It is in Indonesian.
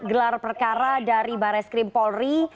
gelar perkara dari bareskrim polri